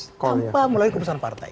tanpa melalui keputusan partai